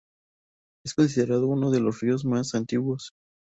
Es considerado uno de los ríos más antiguos.